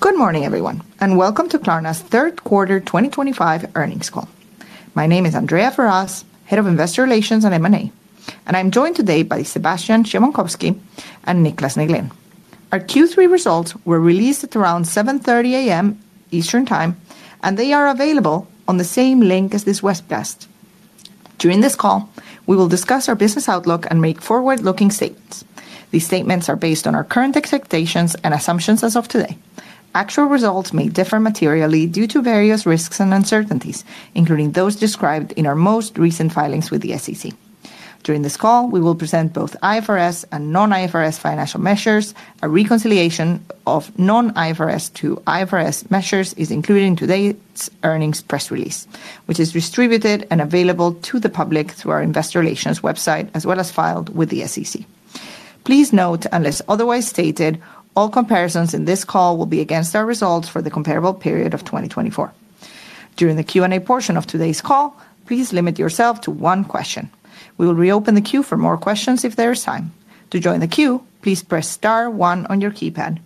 Good morning, everyone, and welcome to Klarna's Third Quarter 2025 Earnings call. My name is Andrea Ferraz, Head of Investor Relations at Klarna, and I'm joined today by Sebastian Siemiatkowski and Niclas Neglén. Our Q3 results were released at around 7:30 A.M. Eastern Time, and they are available on the same link as this webcast. During this call, we will discuss our business outlook and make forward-looking statements. These statements are based on our current expectations and assumptions as of today. Actual results may differ materially due to various risks and uncertainties, including those described in our most recent filings with the SEC. During this call, we will present both IFRS and non-IFRS financial measures. A reconciliation of non-IFRS to IFRS measures is included in today's earnings press release, which is distributed and available to the public through our Investor Relations website, as well as filed with the SEC. Please note, unless otherwise stated, all comparisons in this call will be against our results for the comparable period of 2024. During the Q and A portion of today's call, please limit yourself to one question. We will reopen the queue for more questions if there is time. To join the queue, please press star one on your keypad.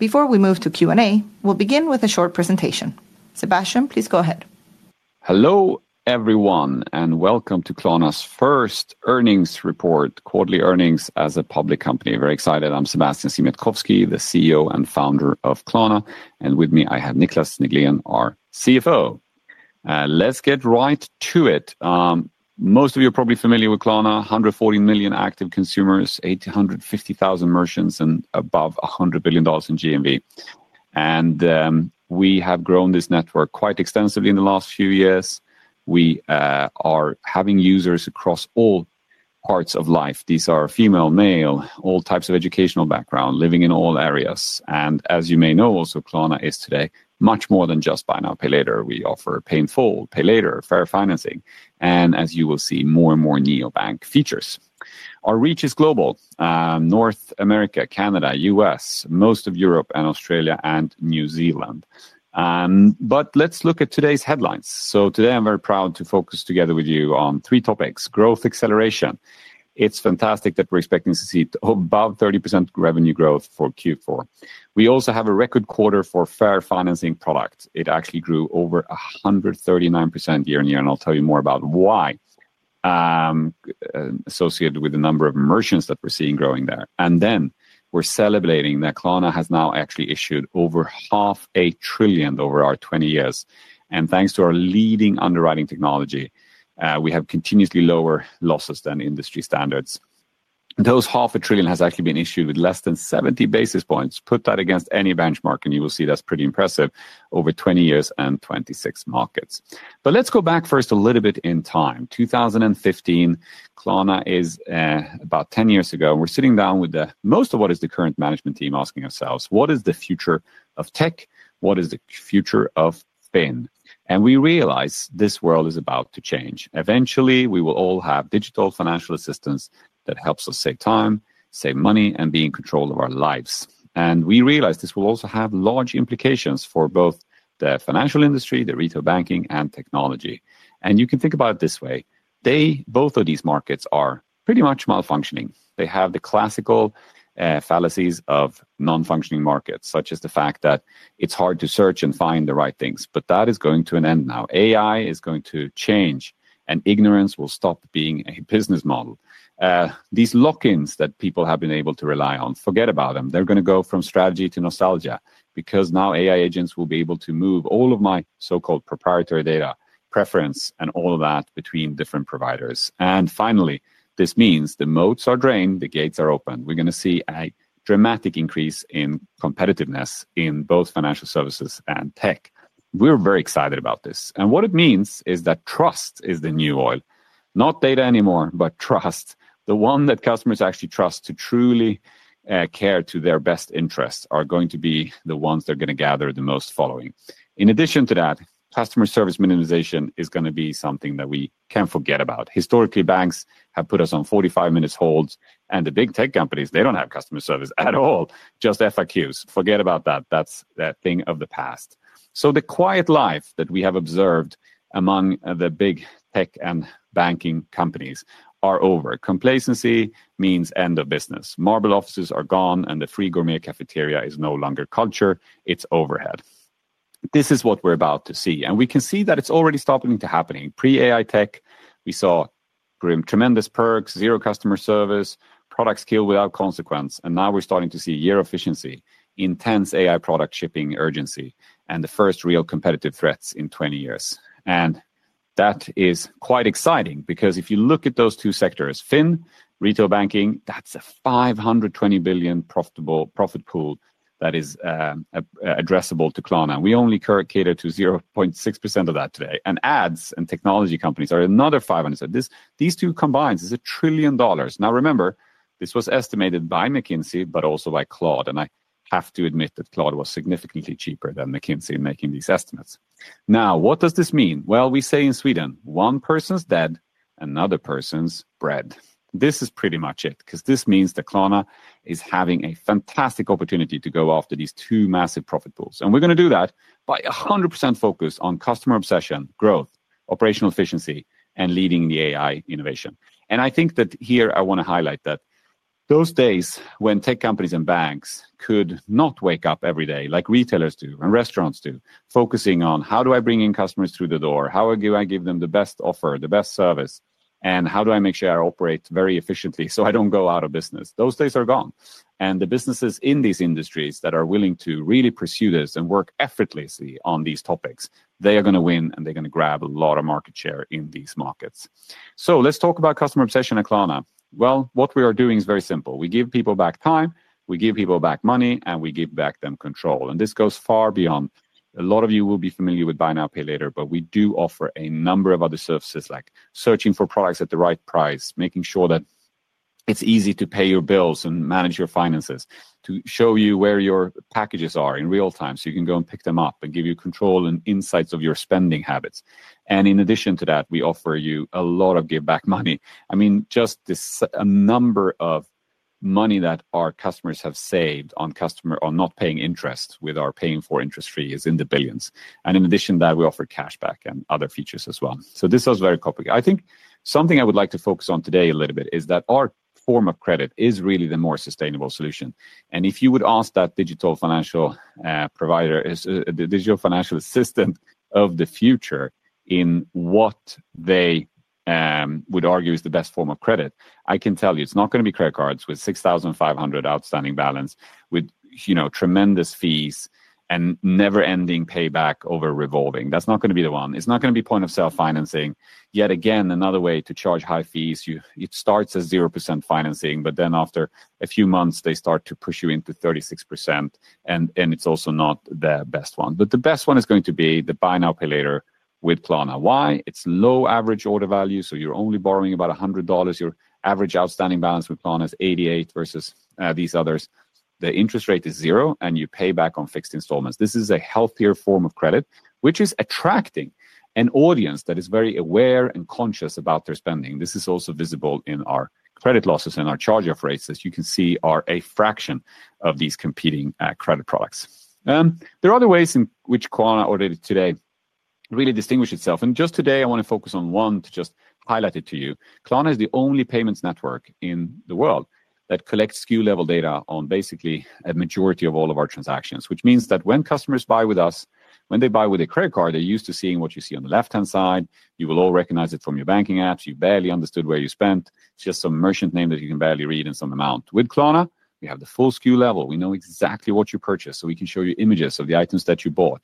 Before we move to Q and A, we'll begin with a short presentation. Sebastian, please go ahead. Hello, everyone, and welcome to Klarna's first earnings report, Quarterly Earnings as a Public Company. Very excited. I'm Sebastian Siemiatkowski, the CEO and founder of Klarna, and with me, I have Niclas Neglen, our CFO. Let's get right to it. Most of you are probably familiar with Klarna: 140 million active consumers, 850,000 merchants, and above $100 billion in GMV. We have grown this network quite extensively in the last few years. We are having users across all parts of life. These are female, male, all types of educational background, living in all areas. As you may know, also Klarna is today much more than just Buy Now Pay Later. We offer Pay in Full, Pay Later, Fair Financing, and as you will see, more and more neobank features. Our reach is global: North America, Canada, U.S., most of Europe, and Australia and New Zealand. Let's look at today's headlines. Today, I'm very proud to focus together with you on three topics: growth acceleration. It's fantastic that we're expecting to see above 30% revenue growth for Q4. We also have a record quarter for fair financing product. It actually grew over 139% year on year, and I'll tell you more about why, associated with the number of merchants that we're seeing growing there. Then we're celebrating that Klarna has now actually issued over $500 billion over our 20 years. Thanks to our leading underwriting technology, we have continuously lower losses than industry standards. Those $500 billion have actually been issued with less than 70 basis points. Put that against any benchmark, and you will see that's pretty impressive over 20 years and 26 markets. Let's go back first a little bit in time. 2015, Klarna is about 10 years ago, and we're sitting down with most of what is the current management team asking ourselves: What is the future of tech? What is the future of spend? We realize this world is about to change. Eventually, we will all have digital financial assistance that helps us save time, save money, and be in control of our lives. We realize this will also have large implications for both the financial industry, the retail banking, and technology. You can think about it this way: both of these markets are pretty much malfunctioning. They have the classical fallacies of non-functioning markets, such as the fact that it's hard to search and find the right things. That is going to an end now. AI is going to change, and ignorance will stop being a business model. These lock-ins that people have been able to rely on, forget about them. They're going to go from strategy to nostalgia because now AI agents will be able to move all of my so-called proprietary data, preference, and all of that between different providers. Finally, this means the moats are drained, the gates are open. We're going to see a dramatic increase in competitiveness in both financial services and tech. We're very excited about this. What it means is that trust is the new oil. Not data anymore, but trust. The ones that customers actually trust to truly care about their best interests are going to be the ones that are going to gather the most following. In addition to that, customer service minimization is going to be something that we can't forget about. Historically, banks have put us on 45-minute holds, and the big tech companies, they do not have customer service at all, just FAQs. Forget about that. That is a thing of the past. The quiet life that we have observed among the big tech and banking companies is over. Complacency means end of business. Marble offices are gone, and the free gourmet cafeteria is no longer culture. It is overhead. This is what we are about to see. We can see that it is already starting to happen. In pre-AI tech, we saw tremendous perks, zero customer service, product skill without consequence. Now we are starting to see year efficiency, intense AI product shipping urgency, and the first real competitive threats in 20 years. That is quite exciting because if you look at those two sectors, FIN, retail banking, that is a $520 billion profit pool that is addressable to Klarna. We only cater to 0.6% of that today. Ads and technology companies are another $500 billion. These two combined is a trillion dollars. Remember, this was estimated by McKinsey, but also by Claude. I have to admit that Claude was significantly cheaper than McKinsey in making these estimates. What does this mean? We say in Sweden, one person's dead, another person's bread. This is pretty much it because this means that Klarna is having a fantastic opportunity to go after these two massive profit pools. We're going to do that by 100% focus on customer obsession, growth, operational efficiency, and leading the AI innovation. I think that here I want to highlight that those days when tech companies and banks could not wake up every day like retailers do and restaurants do, focusing on how do I bring in customers through the door, how do I give them the best offer, the best service, and how do I make sure I operate very efficiently so I do not go out of business, those days are gone. The businesses in these industries that are willing to really pursue this and work effortlessly on these topics, they are going to win, and they are going to grab a lot of market share in these markets. Let's talk about customer obsession at Klarna. What we are doing is very simple. We give people back time, we give people back money, and we give back them control. This goes far beyond. A lot of you will be familiar with buy now, pay later, but we do offer a number of other services like searching for products at the right price, making sure that it's easy to pay your bills and manage your finances, to show you where your packages are in real time so you can go and pick them up and give you control and insights of your spending habits. In addition to that, we offer you a lot of give back money. I mean, just a number of money that our customers have saved on not paying interest with our paying for interest fee is in the billions. In addition to that, we offer cashback and other features as well. This is very complicated. I think something I would like to focus on today a little bit is that our form of credit is really the more sustainable solution. If you would ask that digital financial provider, the digital financial assistant of the future in what they would argue is the best form of credit, I can tell you it's not going to be credit cards with $6,500 outstanding balance, with tremendous fees and never-ending payback over revolving. That's not going to be the one. It's not going to be point of sale financing. Yet again, another way to charge high fees. It starts as 0% financing, but then after a few months, they start to push you into 36%, and it's also not the best one. The best one is going to be the buy now, pay later with Klarna. Why? It's low average order value, so you're only borrowing about $100. Your average outstanding balance with Klarna is $88 versus these others. The interest rate is zero, and you pay back on fixed installments. This is a healthier form of credit, which is attracting an audience that is very aware and conscious about their spending. This is also visible in our credit losses and our charge-off rates that you can see are a fraction of these competing credit products. There are other ways in which Klarna already today really distinguishes itself. Just today, I want to focus on one to just highlight it to you. Klarna is the only payments network in the world that collects SKU-level data on basically a majority of all of our transactions, which means that when customers buy with us, when they buy with a credit card, they're used to seeing what you see on the left-hand side. You will all recognize it from your banking apps. You barely understood where you spent. It's just some merchant name that you can barely read and some amount. With Klarna, we have the full SKU level. We know exactly what you purchased, so we can show you images of the items that you bought,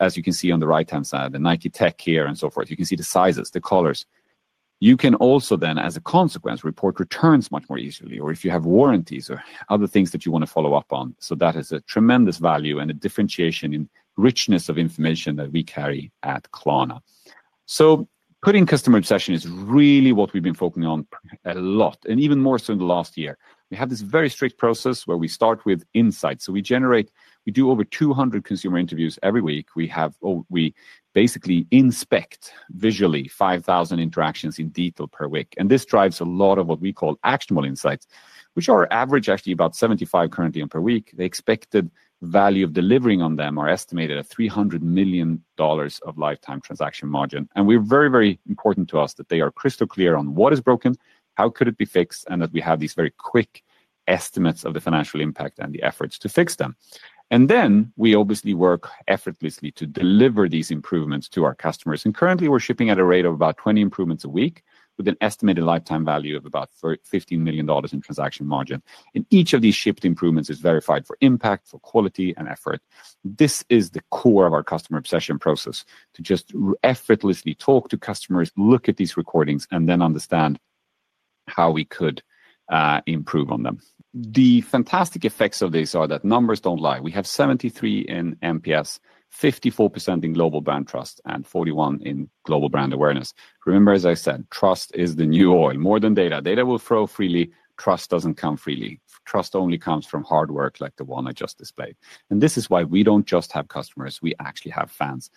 as you can see on the right-hand side, the Nike tech gear and so forth. You can see the sizes, the colors. You can also then, as a consequence, report returns much more easily, or if you have warranties or other things that you want to follow up on. That is a tremendous value and a differentiation in richness of information that we carry at Klarna. Putting customer obsession is really what we've been focusing on a lot, and even more so in the last year. We have this very strict process where we start with insights. We generate, we do over 200 consumer interviews every week. We basically inspect visually 5,000 interactions in detail per week. This drives a lot of what we call actionable insights, which are average actually about 75 currently per week. The expected value of delivering on them are estimated at $300 million of lifetime transaction margin. It is very, very important to us that they are crystal clear on what is broken, how could it be fixed, and that we have these very quick estimates of the financial impact and the efforts to fix them. We obviously work effortlessly to deliver these improvements to our customers. Currently, we are shipping at a rate of about 20 improvements a week with an estimated lifetime value of about $15 million in transaction margin. Each of these shipped improvements is verified for impact, for quality, and effort. This is the core of our customer obsession process to just effortlessly talk to customers, look at these recordings, and then understand how we could improve on them. The fantastic effects of this are that numbers do not lie. We have 73 in Net Promoter Score, 54% in global brand trust, and 41 in global brand awareness. Remember, as I said, trust is the new oil. More than data, data will flow freely. Trust does not come freely. Trust only comes from hard work like the one I just displayed. This is why we do not just have customers. We actually have fans.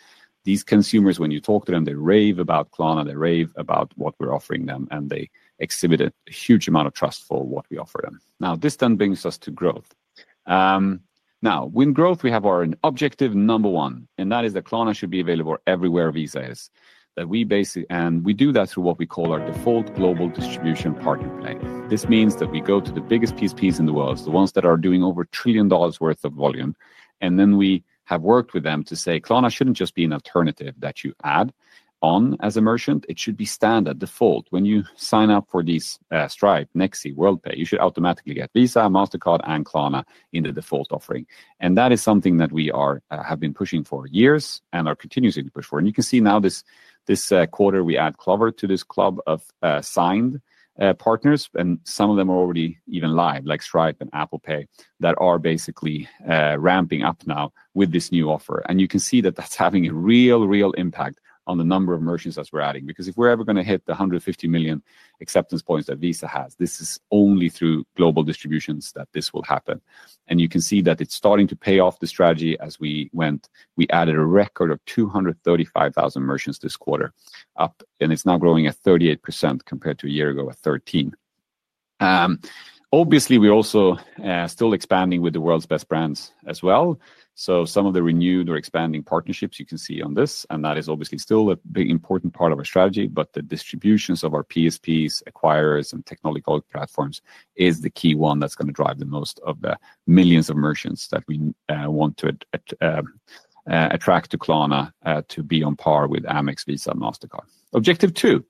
These consumers, when you talk to them, they rave about Klarna. They rave about what we are offering them, and they exhibit a huge amount of trust for what we offer them. This then brings us to growth. Now, with growth, we have our objective number one, and that is that Klarna should be available everywhere Visa is. We do that through what we call our default global distribution partner plan. This means that we go to the biggest PSPs in the world, the ones that are doing over a trillion dollars worth of volume, and then we have worked with them to say Klarna should not just be an alternative that you add on as a merchant. It should be standard, default. When you sign up for these Stripe, Nexi, Worldpay, you should automatically get Visa, Mastercard, and Klarna in the default offering. That is something that we have been pushing for years and are continuously pushing for. You can see now this quarter, we add Clover to this club of signed partners, and some of them are already even live, like Stripe and Apple Pay, that are basically ramping up now with this new offer. You can see that that is having a real, real impact on the number of merchants that we are adding because if we are ever going to hit the 150 million acceptance points that Visa has, this is only through global distributions that this will happen. You can see that it is starting to pay off the strategy as we went. We added a record of 235,000 merchants this quarter, and it is now growing at 38% compared to a year ago at 13. Obviously, we are also still expanding with the world's best brands as well. Some of the renewed or expanding partnerships you can see on this, and that is obviously still a big important part of our strategy, but the distributions of our PSPs, acquirers, and technology platforms is the key one that's going to drive the most of the millions of merchants that we want to attract to Klarna to be on par with Amex, Visa, and Mastercard. Objective two,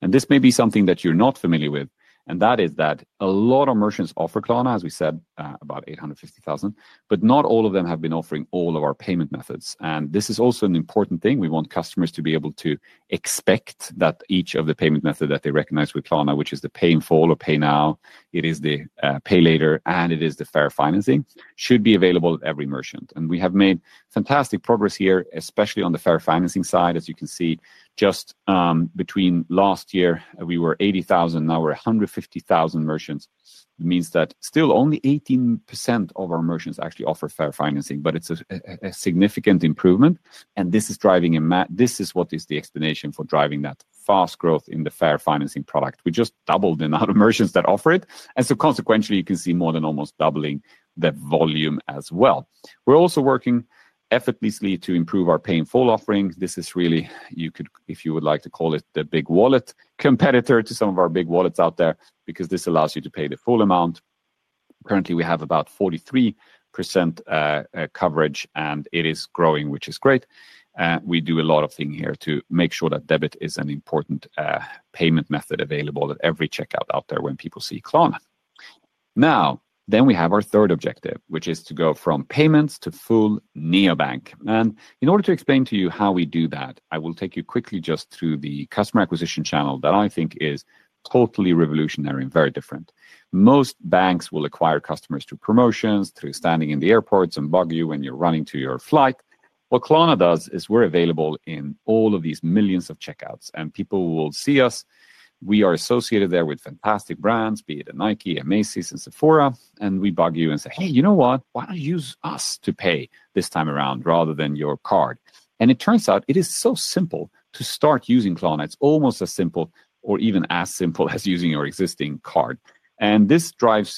and this may be something that you're not familiar with, and that is that a lot of merchants offer Klarna, as we said, about 850,000, but not all of them have been offering all of our payment methods. This is also an important thing. We want customers to be able to expect that each of the payment methods that they recognize with Klarna, which is the pay in full or pay now, it is the pay later, and it is the fair financing, should be available to every merchant. We have made fantastic progress here, especially on the fair financing side. As you can see, just between last year, we were at 80,000. Now we are at 150,000 merchants. It means that still only 18% of our merchants actually offer fair financing, but it is a significant improvement. This is driving a mass, this is what is the explanation for driving that fast growth in the fair financing product. We just doubled the number of merchants that offer it. Consequently, you can see more than almost doubling the volume as well. We are also working effortlessly to improve our pay in full offerings. This is really, if you would like to call it, the big wallet competitor to some of our big wallets out there because this allows you to pay the full amount. Currently, we have about 43% coverage, and it is growing, which is great. We do a lot of things here to make sure that debit is an important payment method available at every checkout out there when people see Klarna. Now, then we have our third objective, which is to go from payments to full neobank. In order to explain to you how we do that, I will take you quickly just through the customer acquisition channel that I think is totally revolutionary and very different. Most banks will acquire customers through promotions, through standing in the airports and bug you when you're running to your flight. What Klarna does is we're available in all of these millions of checkouts, and people will see us. We are associated there with fantastic brands, be it a Nike, a Macy's, and Sephora. We bug you and say, "Hey, you know what? Why don't you use us to pay this time around rather than your card?" It turns out it is so simple to start using Klarna. It's almost as simple or even as simple as using your existing card. This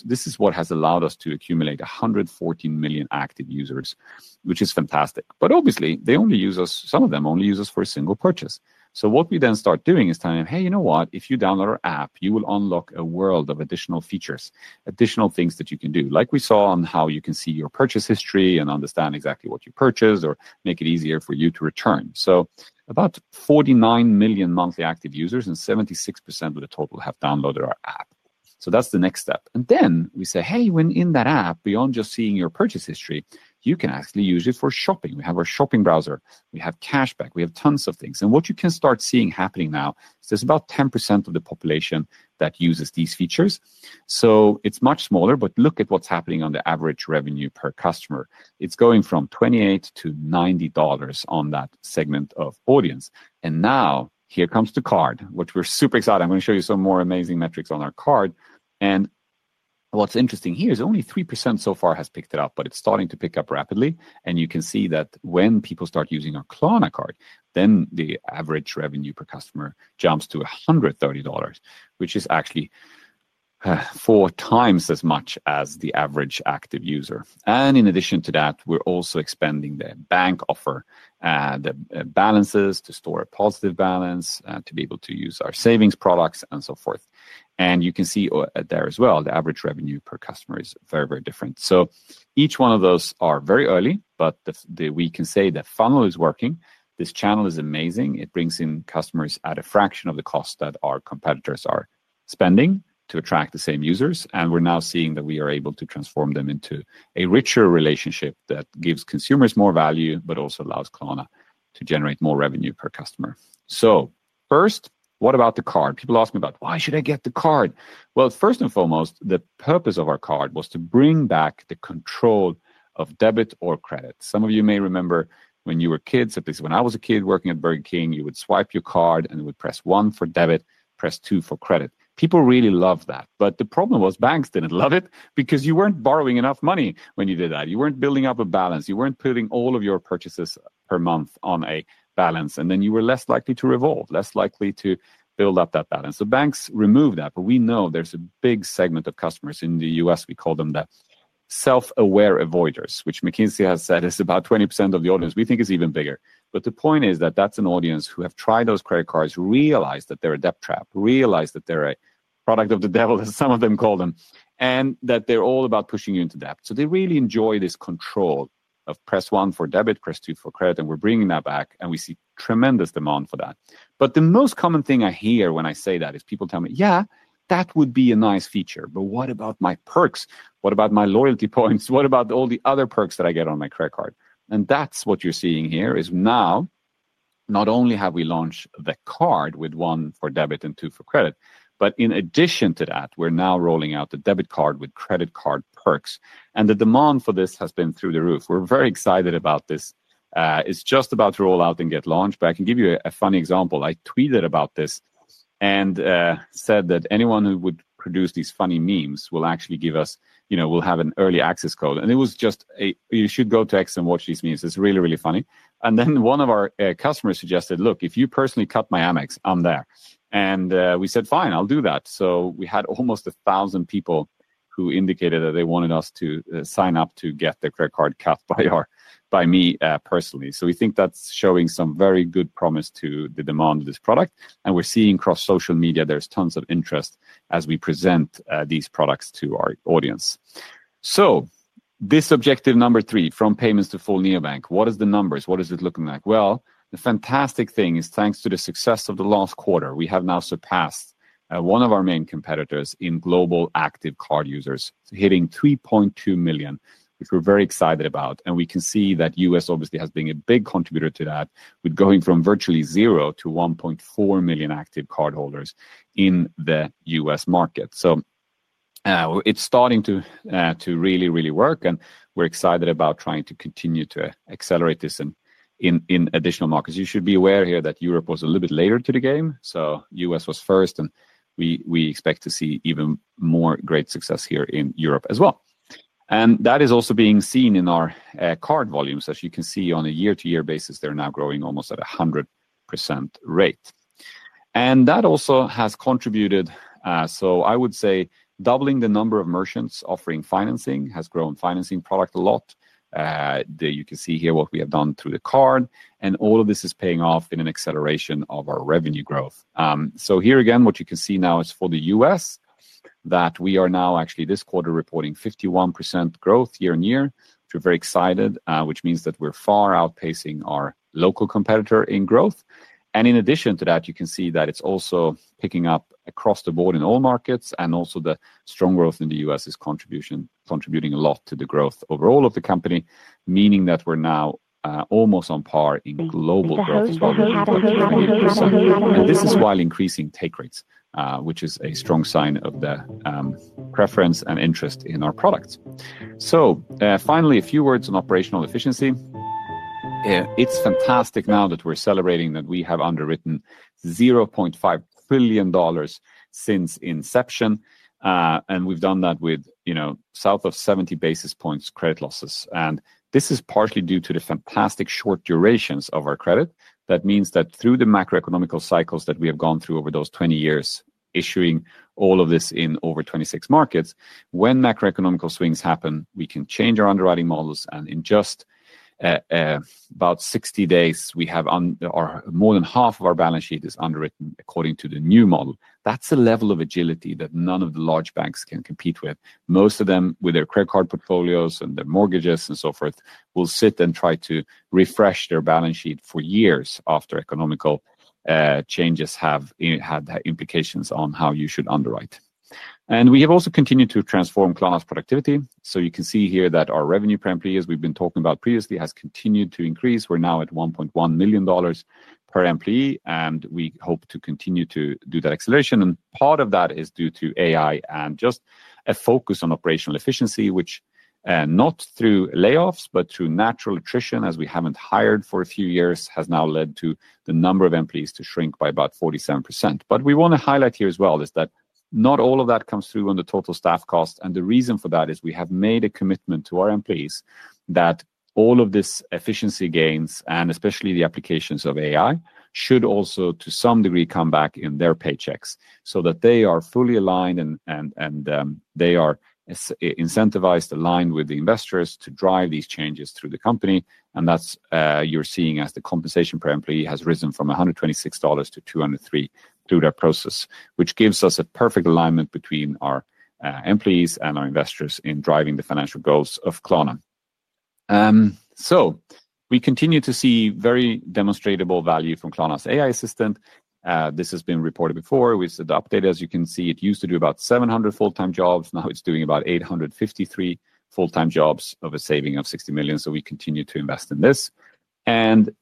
is what has allowed us to accumulate 114 million active users, which is fantastic. Obviously, some of them only use us for a single purchase. What we then start doing is telling them, "Hey, you know what? If you download our app, you will unlock a world of additional features, additional things that you can do, like we saw on how you can see your purchase history and understand exactly what you purchased or make it easier for you to return. About 49 million monthly active users and 76% of the total have downloaded our app. That is the next step. We say, "Hey, when in that app, beyond just seeing your purchase history, you can actually use it for shopping." We have our shopping browser. We have cashback. We have tons of things. What you can start seeing happening now is there is about 10% of the population that uses these features. It is much smaller, but look at what is happening on the average revenue per customer. It is going from $28 to $90 on that segment of audience. Now here comes the card, which we're super excited. I'm going to show you some more amazing metrics on our card. What's interesting here is only 3% so far has picked it up, but it's starting to pick up rapidly. You can see that when people start using our Klarna Card, then the average revenue per customer jumps to $130, which is actually four times as much as the average active user. In addition to that, we're also expanding the bank offer, the balances to store a positive balance, to be able to use our savings products, and so forth. You can see there as well, the average revenue per customer is very, very different. Each one of those are very early, but we can say the funnel is working. This channel is amazing. It brings in customers at a fraction of the cost that our competitors are spending to attract the same users. We are now seeing that we are able to transform them into a richer relationship that gives consumers more value, but also allows Klarna to generate more revenue per customer. First, what about the card? People ask me about, "Why should I get the card?" First and foremost, the purpose of our card was to bring back the control of debit or credit. Some of you may remember when you were kids, at least when I was a kid working at Burger King, you would swipe your card and would press one for debit, press two for credit. People really loved that. The problem was banks did not love it because you were not borrowing enough money when you did that. You were not building up a balance. You were not putting all of your purchases per month on a balance, and then you were less likely to revolve, less likely to build up that balance. Banks removed that, but we know there is a big segment of customers in the U.S., we call them the self-aware avoiders, which McKinsey has said is about 20% of the audience. We think it is even bigger. The point is that that is an audience who have tried those credit cards, realized that they are a debt trap, realized that they are a product of the devil, as some of them call them, and that they are all about pushing you into debt. They really enjoy this control of press one for debit, press two for credit, and we are bringing that back, and we see tremendous demand for that. The most common thing I hear when I say that is people tell me, "Yeah, that would be a nice feature, but what about my perks? What about my loyalty points? What about all the other perks that I get on my credit card?" What you are seeing here is now not only have we launched the card with one for debit and two for credit, but in addition to that, we are now rolling out the debit card with credit card perks. The demand for this has been through the roof. We are very excited about this. It is just about to roll out and get launched, but I can give you a funny example. I tweeted about this and said that anyone who would produce these funny memes will actually get an early access code. It was just, yuou should go to X and watch these memes. It's really, really funny. One of our customers suggested, "Look, if you personally cut my Amex, I'm there." We said, "Fine, I'll do that." We had almost 1,000 people who indicated that they wanted us to sign up to get their credit card cut by me personally. We think that's showing some very good promise to the demand of this product. We're seeing across social media, there's tons of interest as we present these products to our audience. This objective number three, from payments to full neobank, what are the numbers? What is it looking like? The fantastic thing is thanks to the success of the last quarter, we have now surpassed one of our main competitors in global active card users, hitting 3.2 million, which we are very excited about. We can see that the U.S. obviously has been a big contributor to that, with going from virtually zero to 1.4 million active cardholders in the US market. It is starting to really, really work, and we are excited about trying to continue to accelerate this in additional markets. You should be aware here that Europe was a little bit later to the game. The U.S. was first, and we expect to see even more great success here in Europe as well. That is also being seen in our card volumes. As you can see, on a year-to-year basis, they are now growing almost at a 100% rate. That also has contributed. I would say doubling the number of merchants offering financing has grown the financing product a lot. You can see here what we have done through the card, and all of this is paying off in an acceleration of our revenue growth. Here again, what you can see now is for the U.S. that we are now actually this quarter reporting 51% growth year on year, which we're very excited about, which means that we're far outpacing our local competitor in growth. In addition to that, you can see that it's also picking up across the board in all markets, and also the strong growth in the U.S. is contributing a lot to the growth overall of the company, meaning that we're now almost on par in global growth as well. This is while increasing take rates, which is a strong sign of the preference and interest in our products. Finally, a few words on operational efficiency. It is fantastic now that we are celebrating that we have underwritten $0.5 trillion since inception, and we have done that with south of 70 basis points credit losses. This is partially due to the fantastic short durations of our credit. That means that through the macroeconomical cycles that we have gone through over those 20 years, issuing all of this in over 26 markets, when macroeconomical swings happen, we can change our underwriting models and in just about 60 days, we have more than half of our balance sheet underwritten according to the new model. That is a level of agility that none of the large banks can compete with. Most of them, with their credit card portfolios and their mortgages and so forth, will sit and try to refresh their balance sheet for years after economical changes have had implications on how you should underwrite. We have also continued to transform Klarna's productivity. You can see here that our revenue per employee, as we have been talking about previously, has continued to increase. We are now at $1.1 million per employee, and we hope to continue to do that acceleration. Part of that is due to AI and just a focus on operational efficiency, which, not through layoffs, but through natural attrition, as we have not hired for a few years, has now led to the number of employees to shrink by about 47%. What we want to highlight here as well is that not all of that comes through on the total staff cost. The reason for that is we have made a commitment to our employees that all of this efficiency gains, and especially the applications of AI, should also, to some degree, come back in their paychecks so that they are fully aligned and they are incentivized, aligned with the investors to drive these changes through the company. That is what you are seeing as the compensation per employee has risen from $126 to $203 through that process, which gives us a perfect alignment between our employees and our investors in driving the financial goals of Klarna. We continue to see very demonstrable value from Klarna's AI assistant. This has been reported before. We used to adopt it. As you can see, it used to do about 700 full-time jobs. Now it is doing about 853 full-time jobs of a saving of $60 million. We continue to invest in this.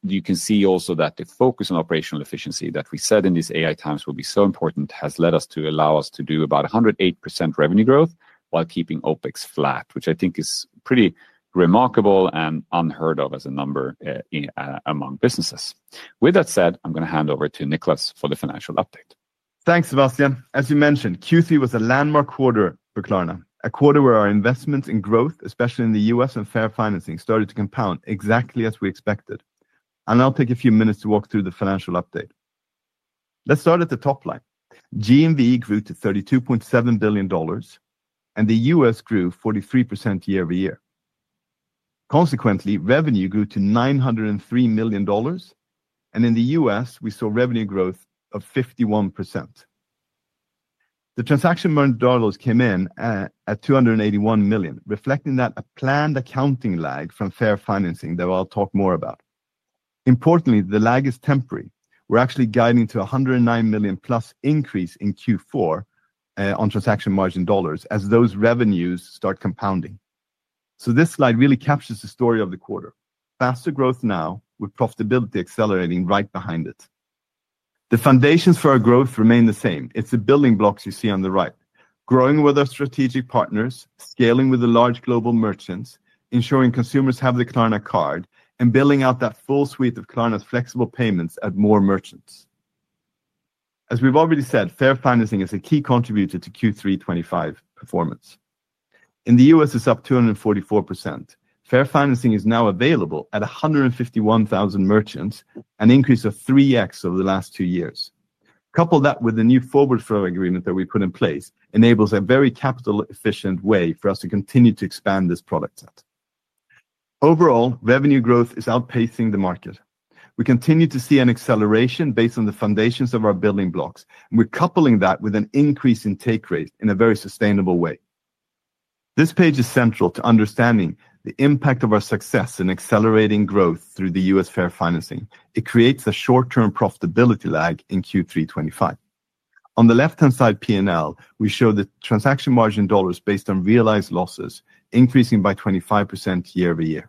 You can see also that the focus on operational efficiency that we said in these AI times will be so important has led us to allow us to do about 108% revenue growth while keeping OpEx flat, which I think is pretty remarkable and unheard of as a number among businesses. With that said, I'm going to hand over to Niclas for the financial update. Thanks, Sebastian. As you mentioned, Q3 was a landmark quarter for Klarna, a quarter where our investments in growth, especially in the U.S. and fair financing, started to compound exactly as we expected. I'll take a few minutes to walk through the financial update. Let's start at the top line. GMV grew to $32.7 billion, and the U.S. grew 43% year over year. Consequently, revenue grew to $903 million, and in the U.S., we saw revenue growth of 51%. The transaction dollars came in at $281 million, reflecting that a planned accounting lag from fair financing that I'll talk more about. Importantly, the lag is temporary. We're actually guiding to a $109 million plus increase in Q4 on transaction margin dollars as those revenues start compounding. This slide really captures the story of the quarter, faster growth now with profitability accelerating right behind it. The foundations for our growth remain the same. It's the building blocks you see on the right, growing with our strategic partners, scaling with the large global merchants, ensuring consumers have the Klarna Card, and billing out that full suite of Klarna's flexible payments at more merchants. As we've already said, fair financing is a key contributor to Q3 2025 performance. In the U.S., it's up 244%. Fair financing is now available at 151,000 merchants, an increase of 3x over the last two years. Couple that with the new forward flow agreement that we put in place enables a very capital-efficient way for us to continue to expand this product set. Overall, revenue growth is outpacing the market. We continue to see an acceleration based on the foundations of our building blocks, and we're coupling that with an increase in take rate in a very sustainable way. This page is central to understanding the impact of our success in accelerating growth through the US fair financing. It creates a short-term profitability lag in Q3 2025. On the left-hand side P&L, we show the transaction margin dollars based on realized losses increasing by 25% year over year.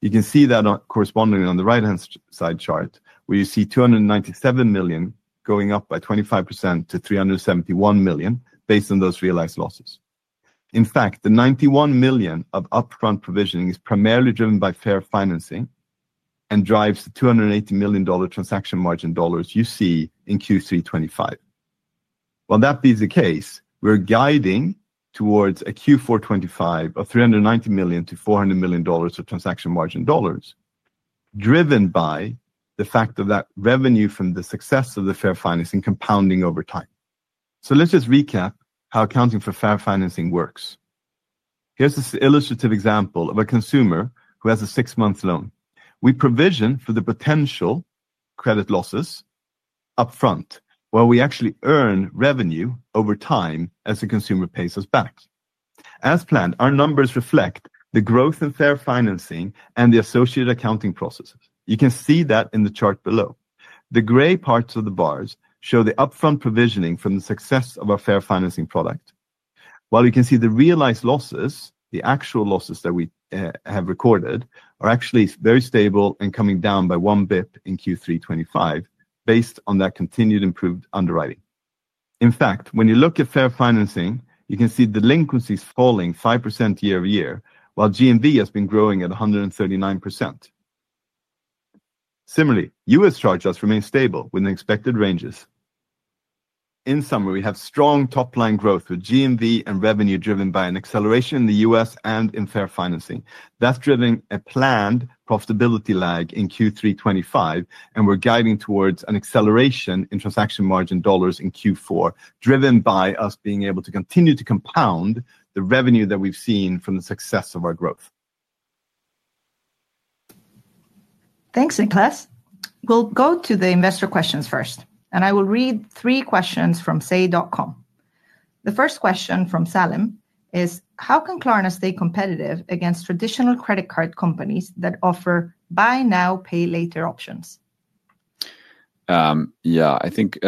You can see that corresponding on the right-hand side chart, where you see $297 million going up by 25% to $371 million based on those realized losses. In fact, the $91 million of upfront provisioning is primarily driven by fair financing and drives the $280 million transaction margin dollars you see in Q3 2025. While that be the case, we're guiding towards a Q4 2025 of $390 million to $400 million of transaction margin dollars, driven by the fact of that revenue from the success of the fair financing compounding over time. Let's just recap how accounting for fair financing works. Here's this illustrative example of a consumer who has a six-month loan. We provision for the potential credit losses upfront, where we actually earn revenue over time as the consumer pays us back. As planned, our numbers reflect the growth in fair financing and the associated accounting processes. You can see that in the chart below. The gray parts of the bars show the upfront provisioning from the success of our fair financing product. While you can see the realized losses, the actual losses that we have recorded are actually very stable and coming down by one basis point in Q3 2025 based on that continued improved underwriting. In fact, when you look at fair financing, you can see delinquencies falling 5% year over year, while GMV has been growing at 139%. Similarly, U.S. charges remain stable within expected ranges. In summary, we have strong top-line growth with GMV and revenue driven by an acceleration in the U.S. and in fair financing. That has driven a planned profitability lag in Q3 2025, and we are guiding towards an acceleration in transaction margin dollars in Q4, driven by us being able to continue to compound the revenue that we have seen from the success of our growth. Thanks, Niclas. We will go to the investor questions first, and I will read three questions from say.com. The first question from Salim is, "How can Klarna stay competitive against traditional credit card companies that offer buy now, pay later options?" Yeah, I think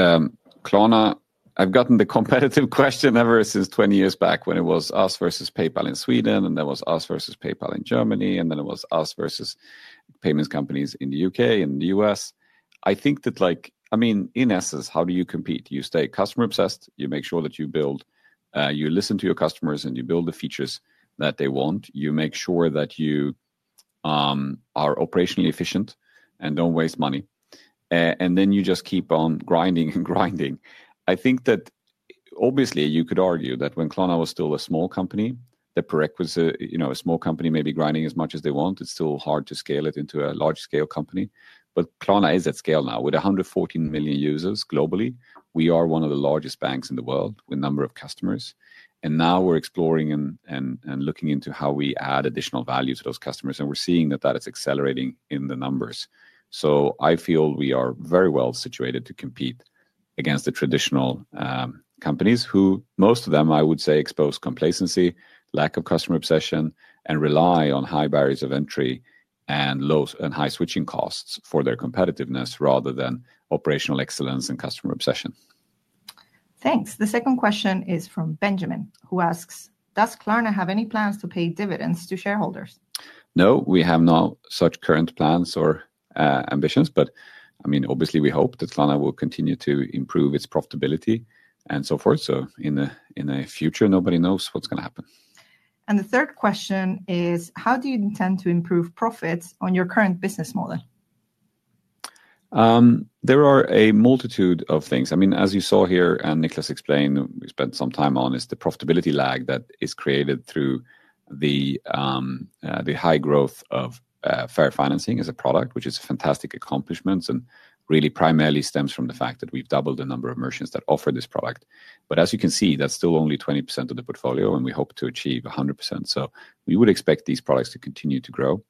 Klarna, I've gotten the competitive question ever since 20 years back when it was us versus PayPal in Sweden, and there was us versus PayPal in Germany, and then it was us versus payments companies in the U.K. and the U.S. I think that, I mean, in essence, how do you compete? You stay customer-obsessed. You make sure that you build, you listen to your customers, and you build the features that they want. You make sure that you are operationally efficient and do not waste money. You just keep on grinding and grinding. I think that obviously you could argue that when Klarna was still a small company, the prerequisite, you know, a small company may be grinding as much as they want. It's still hard to scale it into a large-scale company. Klarna is at scale now with 114 million users globally. We are one of the largest banks in the world with a number of customers. Now we're exploring and looking into how we add additional value to those customers, and we're seeing that that is accelerating in the numbers. I feel we are very well situated to compete against the traditional companies who, most of them, I would say, expose complacency, lack of customer obsession, and rely on high barriers of entry and high switching costs for their competitiveness rather than operational excellence and customer obsession. Thanks. The second question is from Benjamin, who asks, "Does Klarna have any plans to pay dividends to shareholders?" No, we have no such current plans or ambitions, but I mean, obviously, we hope that Klarna will continue to improve its profitability and so forth. In the future, nobody knows what's going to happen. The third question is, "How do you intend to improve profits on your current business model?" There are a multitude of things. I mean, as you saw here and Niclas explained, we spent some time on is the profitability lag that is created through the high growth of fair financing as a product, which is a fantastic accomplishment and really primarily stems from the fact that we've doubled the number of merchants that offer this product. As you can see, that's still only 20% of the portfolio, and we hope to achieve 100%. We would expect these products to continue to grow.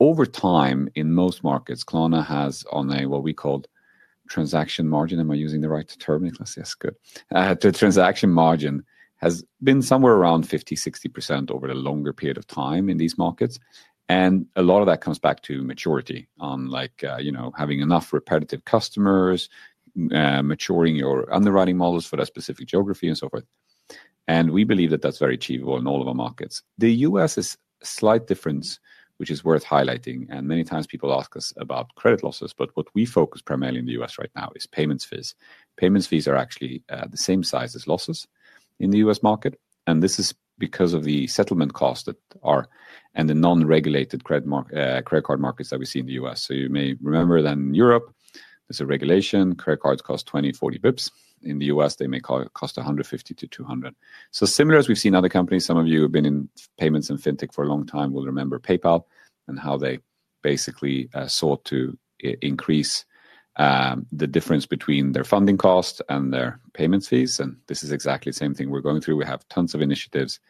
Over time, in most markets, Klarna has on a, what we call, transaction margin, am I using the right term? Yes, good. The transaction margin has been somewhere around 50% to 60% over a longer period of time in these markets. A lot of that comes back to maturity on, like, you know, having enough repetitive customers, maturing your underwriting models for that specific geography and so forth. We believe that that is very achievable in all of our markets. The U.S. is a slight difference, which is worth highlighting, and many times people ask us about credit losses, but what we focus primarily in the U.S. right now is payments fees. Payments fees are actually the same size as losses in the US market, and this is because of the settlement costs that are and the non-regulated credit card markets that we see in the U.S. You may remember that in Europe, there is a regulation. Credit cards cost 20-40 basis points. In the U.S., they may cost 150-200. Similar as we've seen other companies, some of you who have been in payments and fintech for a long time will remember PayPal and how they basically sought to increase the difference between their funding cost and their payments fees. This is exactly the same thing we're going through. We have tons of initiatives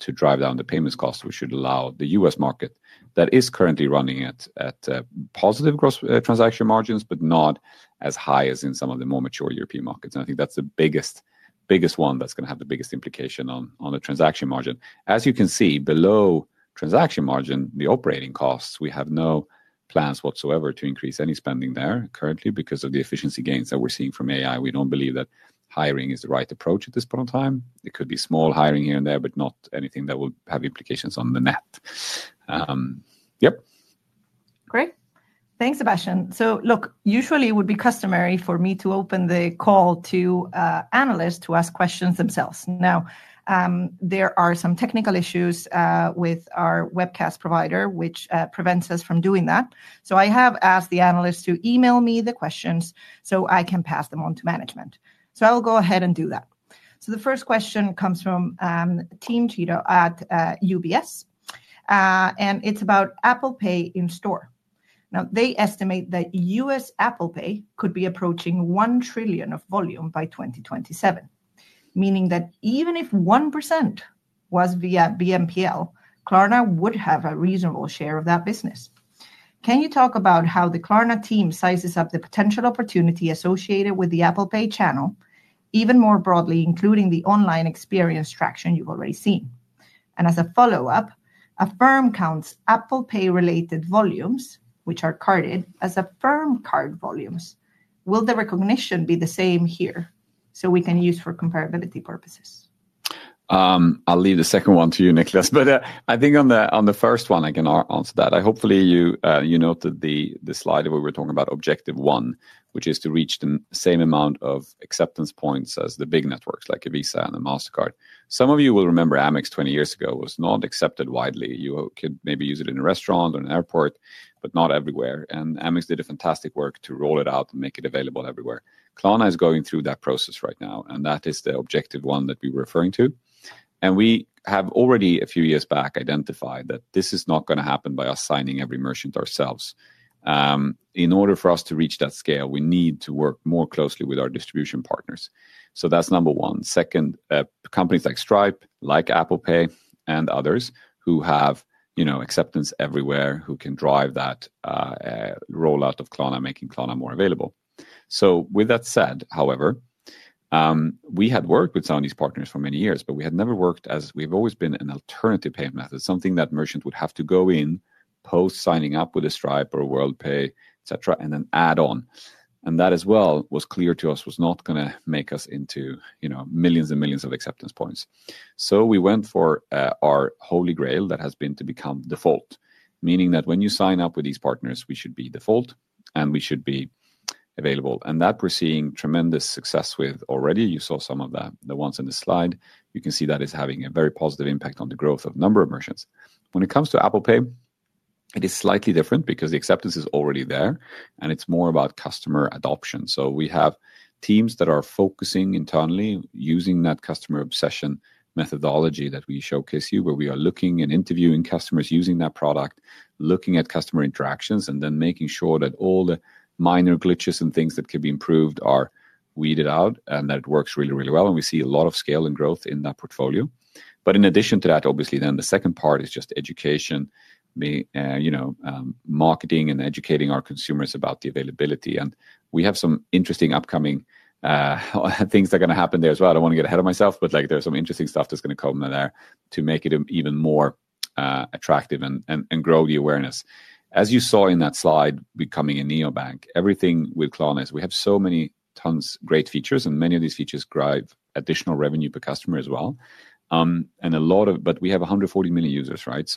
to drive down the payments cost, which should allow the US market that is currently running at positive transaction margins, but not as high as in some of the more mature European markets. I think that's the biggest one that's going to have the biggest implication on the transaction margin. As you can see, below transaction margin, the operating costs, we have no plans whatsoever to increase any spending there currently because of the efficiency gains that we're seeing from AI. We don't believe that hiring is the right approach at this point in time. It could be small hiring here and there, but not anything that will have implications on the net. Yep. Great. Thanks, Sebastian. Usually it would be customary for me to open the call to analysts to ask questions themselves. Now, there are some technical issues with our webcast provider, which prevents us from doing that. I have asked the analysts to email me the questions so I can pass them on to management. I'll go ahead and do that. The first question comes from Team Cheetah at UBS, and it's about Apple Pay in store. They estimate that US Apple Pay could be approaching $1 trillion of volume by 2027, meaning that even if 1% was via BNPL, Klarna would have a reasonable share of that business. Can you talk about how the Klarna team sizes up the potential opportunity associated with the Apple Pay channel, even more broadly, including the online experience traction you've already seen? As a follow-up, Affirm counts Apple Pay-related volumes, which are carded, as Affirm card volumes. Will the recognition be the same here so we can use for comparability purposes? I'll leave the second one to you, Niclas, but I think on the first one, I can answer that. Hopefully, you noted the slide where we were talking about objective one, which is to reach the same amount of acceptance points as the big networks like a Visa and a Mastercard. Some of you will remember Amex 20 years ago was not accepted widely. You could maybe use it in a restaurant or an airport, but not everywhere. Amex did a fantastic work to roll it out and make it available everywhere. Klarna is going through that process right now, and that is the objective one that we were referring to. We have already, a few years back, identified that this is not going to happen by us signing every merchant ourselves. In order for us to reach that scale, we need to work more closely with our distribution partners. That is number one. Second, companies like Stripe, like Apple Pay, and others who have acceptance everywhere who can drive that rollout of Klarna, making Klarna more available. With that said, however, we had worked with some of these partners for many years, but we had never worked as we've always been an alternative payment method, something that merchants would have to go in post-signing up with a Stripe or a Worldpay, etc., and then add on. That as well was clear to us was not going to make us into millions and millions of acceptance points. We went for our holy grail that has been to become default, meaning that when you sign up with these partners, we should be default and we should be available. We are seeing tremendous success with that already. You saw some of the ones in the slide. You can see that is having a very positive impact on the growth of a number of merchants. When it comes to Apple Pay, it is slightly different because the acceptance is already there, and it's more about customer adoption. We have teams that are focusing internally, using that customer obsession methodology that we showcase here, where we are looking and interviewing customers using that product, looking at customer interactions, and then making sure that all the minor glitches and things that could be improved are weeded out and that it works really, really well. We see a lot of scale and growth in that portfolio. In addition to that, obviously, the second part is just education, marketing, and educating our consumers about the availability. We have some interesting upcoming things that are going to happen there as well. I do not want to get ahead of myself, but there is some interesting stuff that is going to come there to make it even more attractive and grow the awareness. As you saw in that slide, becoming a neobank, everything with Klarna is we have so many tons of great features, and many of these features drive additional revenue per customer as well. We have 140 million users, right?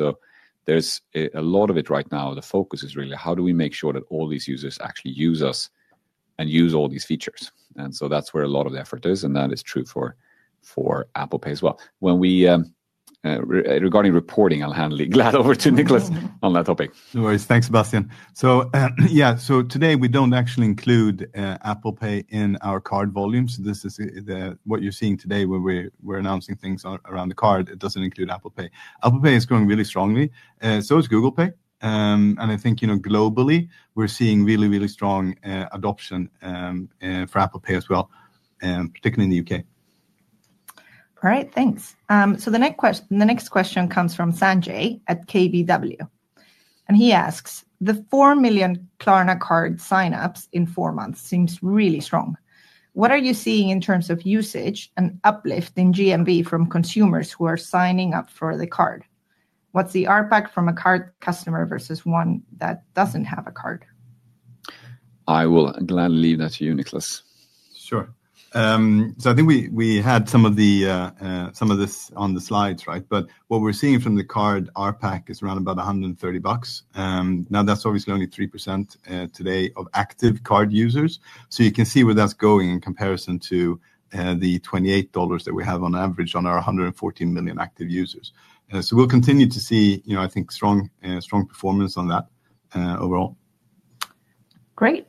There is a lot of it right now. The focus is really how do we make sure that all these users actually use us and use all these features. That is where a lot of the effort is, and that is true for Apple Pay as well. Regarding reporting, I will hand the glad over to Niclas on that topic. No worries. Thanks, Sebastian. Today we do not actually include Apple Pay in our card volumes. This is what you're seeing today where we're announcing things around the card. It doesn't include Apple Pay. Apple Pay is growing really strongly. So is Google Pay. I think globally we're seeing really, really strong adoption for Apple Pay as well, particularly in the U.K. All right, thanks. The next question comes from Sanjay at KBW. He asks, "The 4 million Klarna Card sign-ups in four months seems really strong. What are you seeing in terms of usage and uplift in GMV from consumers who are signing up for the card? What's the RPAC from a card customer versus one that doesn't have a card?" I will gladly leave that to you, Niclas. Sure. I think we had some of this on the slides, right? What we're seeing from the card RPAC is around about $130. Now, that's obviously only 3% today of active card users. You can see where that's going in comparison to the $28 that we have on average on our 114 million active users. We'll continue to see, I think, strong performance on that overall. Great.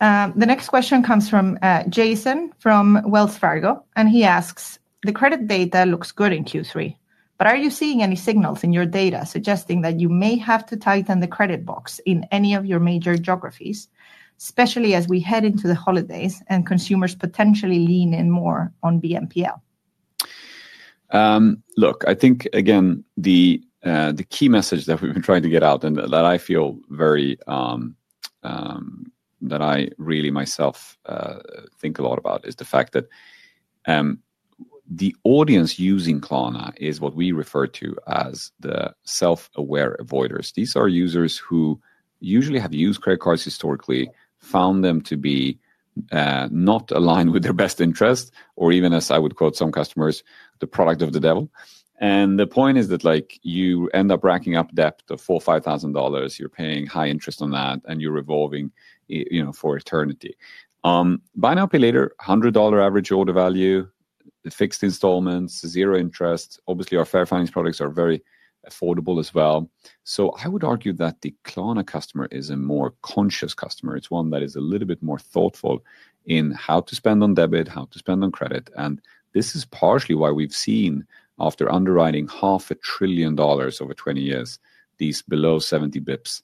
The next question comes from Jason from Wells Fargo, and he asks, "The credit data looks good in Q3, but are you seeing any signals in your data suggesting that you may have to tighten the credit box in any of your major geographies, especially as we head into the holidays and consumers potentially lean in more on BNPL?" Look, I think, again, the key message that we've been trying to get out and that I feel very, that I really myself think a lot about is the fact that the audience using Klarna is what we refer to as the self-aware avoiders. These are users who usually have used credit cards historically, found them to be not aligned with their best interest, or even, as I would quote some customers, the product of the devil. The point is that you end up racking up debt of $4,000, $5,000. You're paying high interest on that, and you're revolving for eternity. Buy now, pay later, $100 average order value, fixed installments, zero interest. Obviously, our fair finance products are very affordable as well. I would argue that the Klarna customer is a more conscious customer. It's one that is a little bit more thoughtful in how to spend on debit, how to spend on credit. This is partially why we've seen, after underwriting half a trillion dollars over 20 years, these below 70 basis points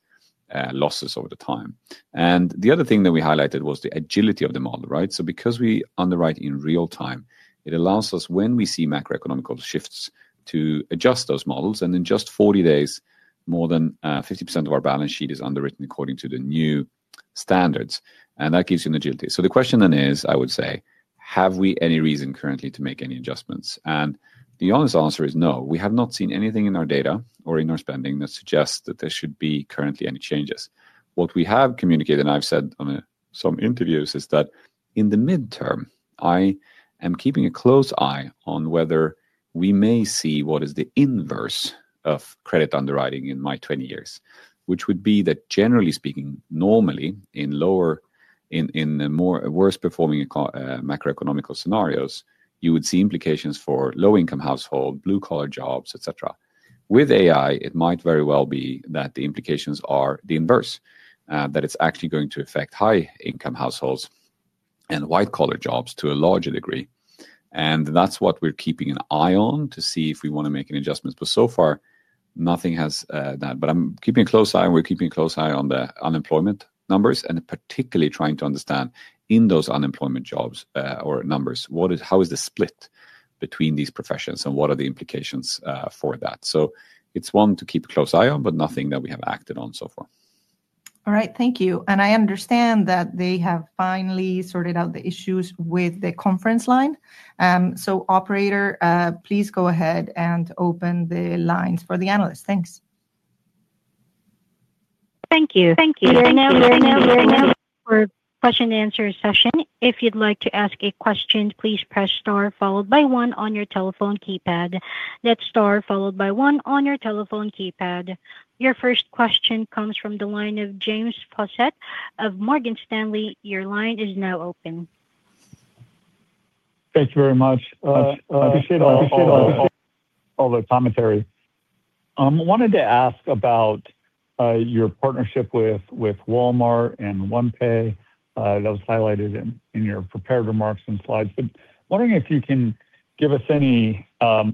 losses over time. The other thing that we highlighted was the agility of the model, right? Because we underwrite in real time, it allows us, when we see macroeconomical shifts, to adjust those models. In just 40 days, more than 50% of our balance sheet is underwritten according to the new standards. That gives you an agility. The question then is, I would say, have we any reason currently to make any adjustments? The honest answer is no. We have not seen anything in our data or in our spending that suggests that there should be currently any changes. What we have communicated, and I have said on some interviews, is that in the midterm, I am keeping a close eye on whether we may see what is the inverse of credit underwriting in my 20 years, which would be that, generally speaking, normally in worse performing macroeconomical scenarios, you would see implications for low-income households, blue-collar jobs, etc. With AI, it might very well be that the implications are the inverse, that it's actually going to affect high-income households and white-collar jobs to a larger degree. That is what we're keeping an eye on to see if we want to make any adjustments. So far, nothing has that. I'm keeping a close eye. We're keeping a close eye on the unemployment numbers and particularly trying to understand in those unemployment jobs or numbers, how is the split between these professions and what are the implications for that. It is one to keep a close eye on, but nothing that we have acted on so far. All right, thank you. I understand that they have finally sorted out the issues with the conference line. Operator, please go ahead and open the lines for the analyst. Thanks. Thank you. Thank you. We're now here for question-and-answer session. If you'd like to ask a question, please press star followed by one on your telephone keypad. That's star followed by one on your telephone keypad. Your first question comes from the line of James Faucette of Morgan Stanley. Your line is now open. Thank you very much. I appreciate all the commentary. I wanted to ask about your partnership with Walmart and OnePay. That was highlighted in your prepared remarks and slides. Wondering if you can give us any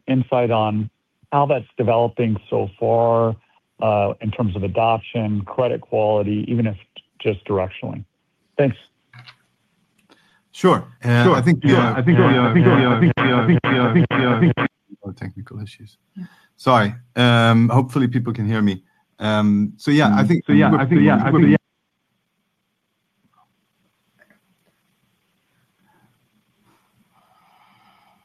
insight on how that's developing so far in terms of adoption, credit quality, even if just directionally. Thanks. Sure. I think we have technical issues. Sorry. Hopefully, people can hear me. Yeah, I think we're good.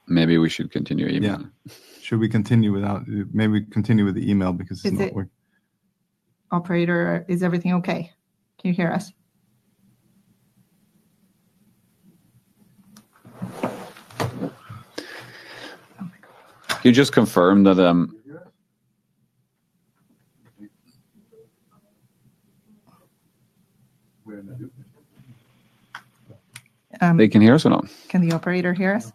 Maybe we should continue email. Yeah. Should we continue without, maybe continue with the email because it's not working? Operator, is everything okay? Can you hear us? Can you just confirm that they can hear us or not? Can Operator hear us?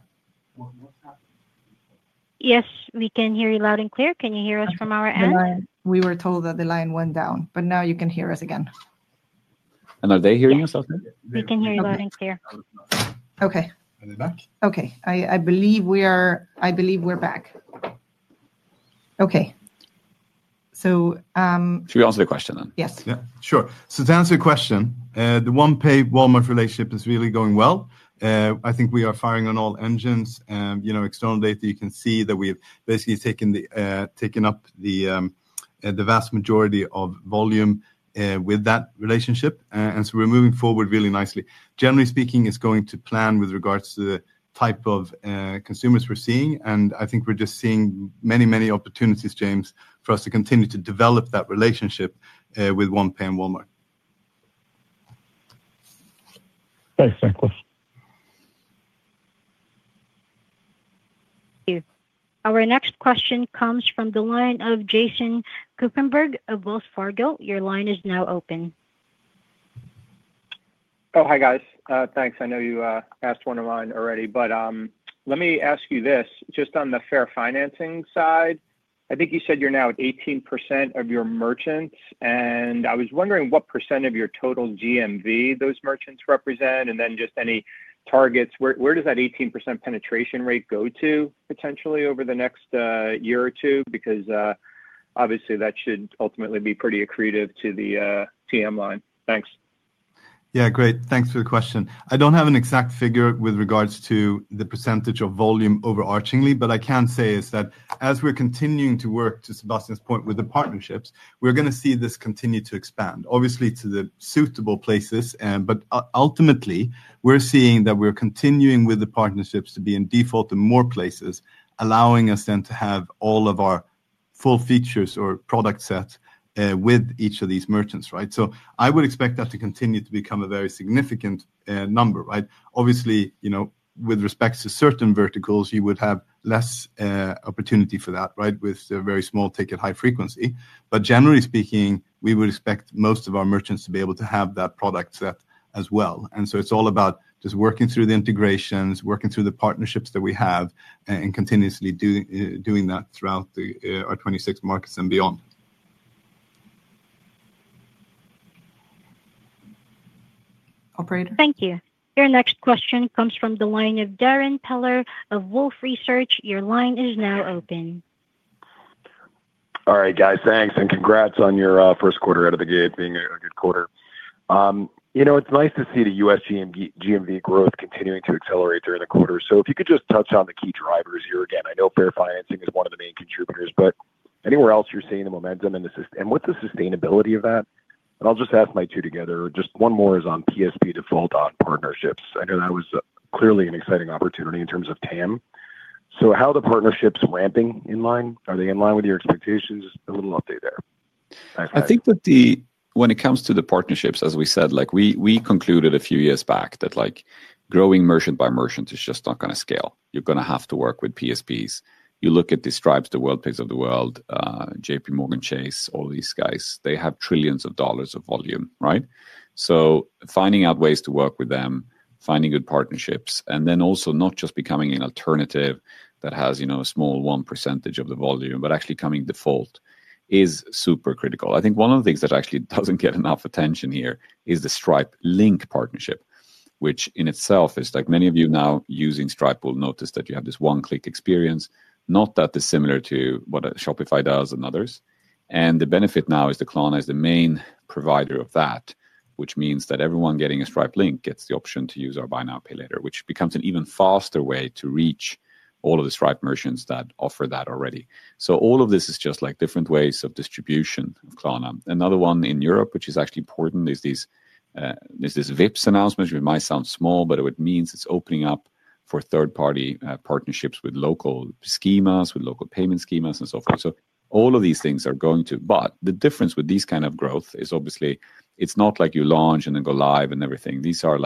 Yes, we can hear you loud and clear. Can you hear us from our end? We were told that the line went down, but now you can hear us again. Are they hearing us? We can hear you loud and clear. Okay. Are they back? Okay. I believe we're back. Okay. Should we answer the question then? Yes. Yeah, sure. To answer your question, the OnePay-Walmart relationship is really going well. I think we are firing on all engines. External data, you can see that we've basically taken up the vast majority of volume with that relationship. We are moving forward really nicely. Generally speaking, it's going to plan with regards to the type of consumers we're seeing. I think we're just seeing many, many opportunities, James, for us to continue to develop that relationship with OnePay and Walmart. Thanks, Niclas. Our next question comes from the line of Jason Kupferberg of Wells Fargo. Your line is now open. Oh, hi guys. Thanks. I know you asked one of mine already, but let me ask you this. Just on the fair financing side, I think you said you're now at 18% of your merchants. I was wondering what percent of your total GMV those merchants represent, and then just any targets. Where does that 18% penetration rate go to potentially over the next year or two? Because obviously, that should ultimately be pretty accretive to the TM line. Thanks. Yeah, great. Thanks for the question. I don't have an exact figure with regards to the percentage of volume overarchingly, but I can say is that as we're continuing to work, to Sebastian's point, with the partnerships, we're going to see this continue to expand, obviously to the suitable places. Ultimately, we're seeing that we're continuing with the partnerships to be in default in more places, allowing us then to have all of our full features or product set with each of these merchants, right? I would expect that to continue to become a very significant number, right? Obviously, with respect to certain verticals, you would have less opportunity for that, right, with a very small ticket high frequency. Generally speaking, we would expect most of our merchants to be able to have that product set as well. It's all about just working through the integrations, working through the partnerships that we have, and continuously doing that throughout our 26 markets and beyond. Thank you. Your next question comes from the line of Darren Peller of Wolfe Research. Your line is now open. All right, guys. Thanks. Congrats on your first quarter out of the gate, being a good quarter. It's nice to see the US GMV growth continuing to accelerate during the quarter. If you could just touch on the key drivers here again. I know fair financing is one of the main contributors, but anywhere else you're seeing the momentum and what's the sustainability of that? I'll just ask my two together. Just one more is on PSP default on partnerships. I know that was clearly an exciting opportunity in terms of TAM. How are the partnerships ramping in line? Are they in line with your expectations? A little update there. I think that when it comes to the partnerships, as we said, we concluded a few years back that growing merchant by merchant is just not going to scale. You're going to have to work with PSPs. You look at the Stripes, the Worldpays of the world, JP Morgan Chase, all these guys, they have trillions of dollars of volume, right? Finding out ways to work with them, finding good partnerships, and then also not just becoming an alternative that has a small 1% of the volume, but actually coming default is super critical. I think one of the things that actually does not get enough attention here is the Stripe Link partnership, which in itself is like many of you now using Stripe will notice that you have this one-click experience, not that dissimilar to what Shopify does and others. The benefit now is that Klarna is the main provider of that, which means that everyone getting a Stripe Link gets the option to use our Buy Now Pay Later, which becomes an even faster way to reach all of the Stripe merchants that offer that already. All of this is just like different ways of distribution of Klarna. Another one in Europe, which is actually important, is this VIPS announcement. It might sound small, but it means it is opening up for third-party partnerships with local schemes, with local payment schemes, and so forth. All of these things are going to, but the difference with these kinds of growth is obviously it's not like you launch and then go live and everything. These are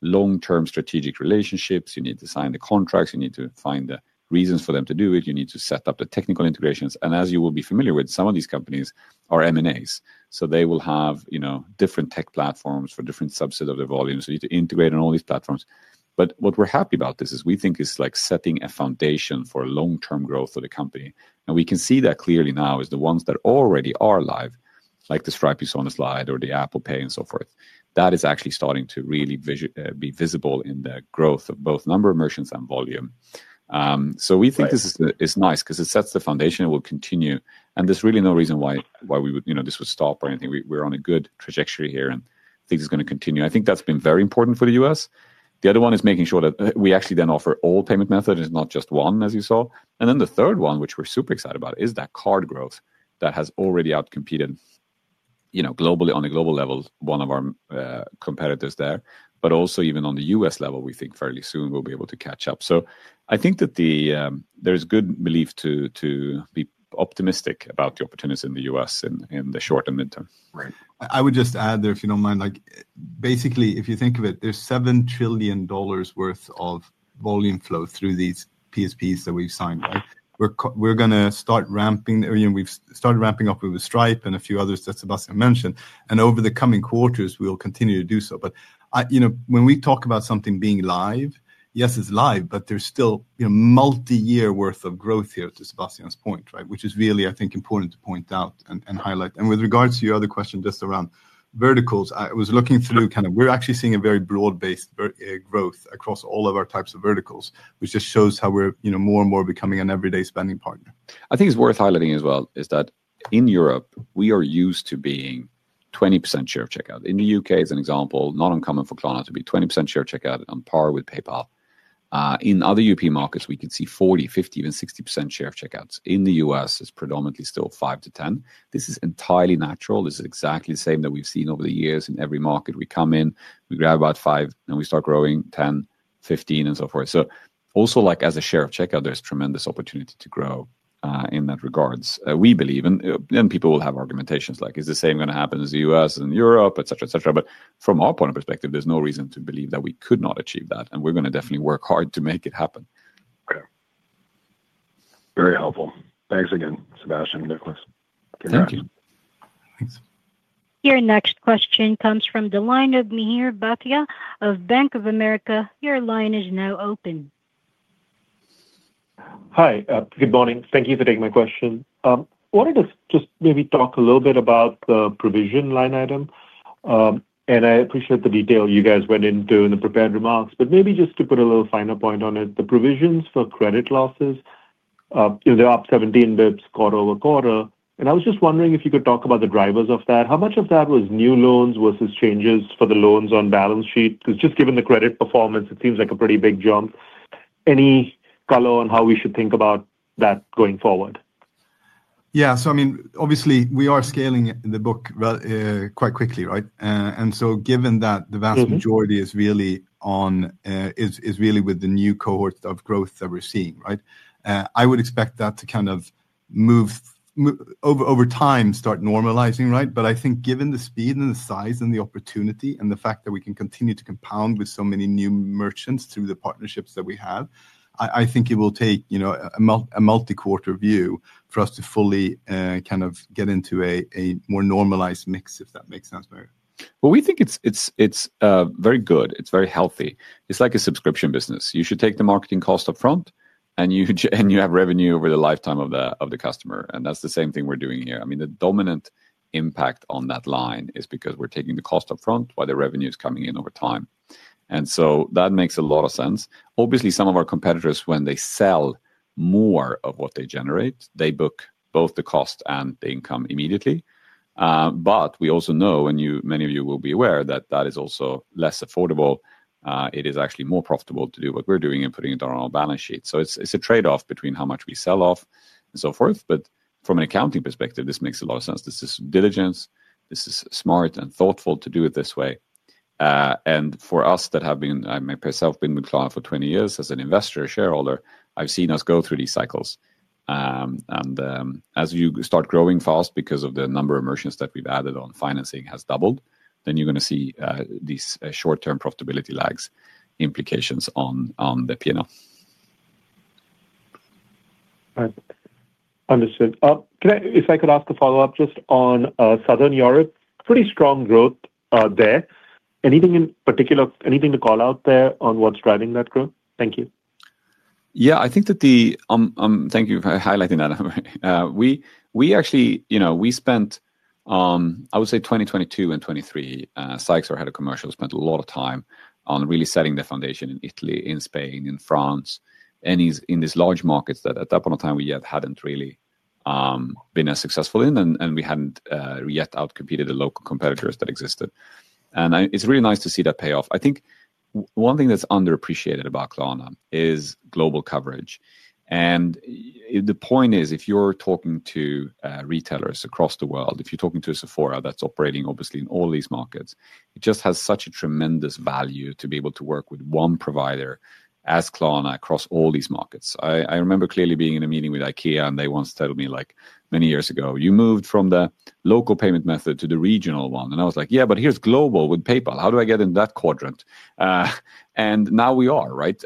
long-term strategic relationships. You need to sign the contracts. You need to find the reasons for them to do it. You need to set up the technical integrations. As you will be familiar with, some of these companies are M&As. They will have different tech platforms for different subsets of their volumes. You need to integrate on all these platforms. What we're happy about is we think it's like setting a foundation for long-term growth for the company. We can see that clearly now is the ones that already are live, like the Stripe you saw on the slide or the Apple Pay and so forth, that is actually starting to really be visible in the growth of both number of merchants and volume. We think this is nice because it sets the foundation. It will continue. There is really no reason why this would stop or anything. We are on a good trajectory here and things are going to continue. I think that has been very important for the U.S. The other one is making sure that we actually then offer all payment methods and not just one, as you saw. Then the third one, which we're super excited about, is that card growth that has already outcompeted globally on a global level, one of our competitors there, but also even on the U.S. level, we think fairly soon we'll be able to catch up. I think that there's good belief to be optimistic about the opportunities in the U.S. in the short and midterm. Right. I would just add there, if you don't mind, basically, if you think of it, there's $7 trillion worth of volume flow through these PSPs that we've signed, right? We're going to start ramping. We've started ramping up with Stripe and a few others that Sebastian mentioned. Over the coming quarters, we'll continue to do so. When we talk about something being live, yes, it's live, but there's still multi-year worth of growth here, to Sebastian's point, right, which is really, I think, important to point out and highlight. With regards to your other question just around verticals, I was looking through kind of we're actually seeing a very broad-based growth across all of our types of verticals, which just shows how we're more and more becoming an everyday spending partner. I think it's worth highlighting as well that in Europe, we are used to being 20% share of checkout. In the U.K., as an example, not uncommon for Klarna to be 20% share of checkout on par with PayPal. In other U.P. markets, we could see 40%, 50%, even 60% share of checkouts. In the U.S., it's predominantly still 5% to 10%. This is entirely natural. This is exactly the same that we've seen over the years in every market. We come in, we grab about 5, and we start growing 10, 15, and so forth. Also, as a share of checkout, there's tremendous opportunity to grow in that regard, we believe. People will have argumentations like, is the same going to happen as the U.S. and Europe, etc., etc. From our point of perspective, there's no reason to believe that we could not achieve that. We're going to definitely work hard to make it happen. Okay. Very helpful. Thanks again, Sebastian and Niclas. Thank you. Thanks. Your next question comes from the line of Mihir Battia of Bank of America. Your line is now open. Hi. Good morning. Thank you for taking my question. I wanted to just maybe talk a little bit about the provision line item. I appreciate the detail you guys went into in the prepared remarks. Maybe just to put a little finer point on it, the provisions for credit losses, they're up 17 basis points quarter over quarter. I was just wondering if you could talk about the drivers of that. How much of that was new loans versus changes for the loans on balance sheet? Because just given the credit performance, it seems like a pretty big jump. Any color on how we should think about that going forward? Yeah. I mean, obviously, we are scaling the book quite quickly, right? Given that the vast majority is really with the new cohorts of growth that we're seeing, right? I would expect that to kind of move over time, start normalizing, right? I think given the speed and the size and the opportunity and the fact that we can continue to compound with so many new merchants through the partnerships that we have, I think it will take a multi-quarter view for us to fully kind of get into a more normalized mix, if that makes sense. We think it is very good. It is very healthy. It is like a subscription business. You should take the marketing cost upfront, and you have revenue over the lifetime of the customer. That is the same thing we are doing here. I mean, the dominant impact on that line is because we are taking the cost upfront while the revenue is coming in over time. That makes a lot of sense. Obviously, some of our competitors, when they sell more of what they generate, they book both the cost and the income immediately. We also know, and many of you will be aware, that that is also less affordable. It is actually more profitable to do what we're doing and putting it on our balance sheet. It is a trade-off between how much we sell off and so forth. From an accounting perspective, this makes a lot of sense. This is diligence. This is smart and thoughtful to do it this way. For us that have been, I myself have been with Klarna for 20 years as an investor, a shareholder, I have seen us go through these cycles. As you start growing fast because of the number of merchants that we have added on, financing has doubled, then you are going to see these short-term profitability lags implications on the P&L. Understood. If I could ask a follow-up just on Southern Europe, pretty strong growth there. Anything in particular, anything to call out there on what's driving that growth? Thank you. Yeah, I think that the thank you for highlighting that. We actually spent, I would say, 2022 and 2023, Sykes or Hedder Commercial spent a lot of time on really setting the foundation in Italy, in Spain, in France, and in these large markets that at that point of time, we yet hadn't really been as successful in, and we hadn't yet outcompeted the local competitors that existed. It is really nice to see that pay off. I think one thing that's underappreciated about Klarna is global coverage. The point is, if you're talking to retailers across the world, if you're talking to a Sephora that's operating obviously in all these markets, it just has such a tremendous value to be able to work with one provider as Klarna across all these markets. I remember clearly being in a meeting with IKEA, and they once told me many years ago, "You moved from the local payment method to the regional one." I was like, "Yeah, but here's global with PayPal. How do I get in that quadrant?" Now we are, right?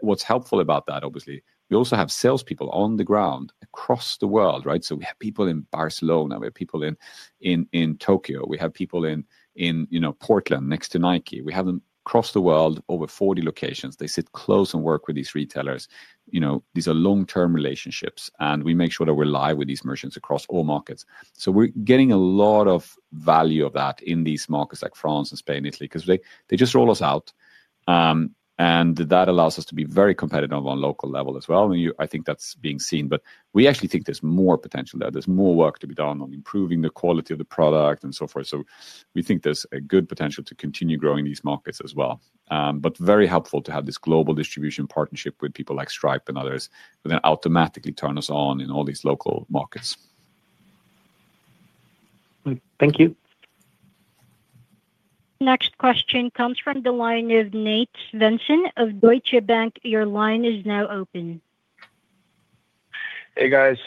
What's helpful about that, obviously, we also have salespeople on the ground across the world, right? We have people in Barcelona, we have people in Tokyo, we have people in Portland next to Nike. We have them across the world, over 40 locations. They sit close and work with these retailers. These are long-term relationships, and we make sure that we're live with these merchants across all markets. We're getting a lot of value of that in these markets like France and Spain, Italy, because they just roll us out. That allows us to be very competitive on a local level as well. I think that's being seen. We actually think there's more potential there. There's more work to be done on improving the quality of the product and so forth. We think there's a good potential to continue growing these markets as well. Very helpful to have this global distribution partnership with people like Stripe and others that then automatically turn us on in all these local markets. Thank you. Next question comes from the line of Nate Svensson of Deutsche Bank. Your line is now open. Hey, guys.